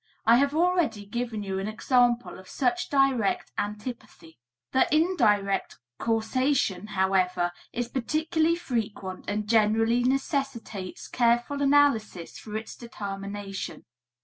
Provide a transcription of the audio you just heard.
I have already given you an example of such direct antipathy. The indirect causation, however, is particularly frequent and generally necessitates careful analysis for its determination.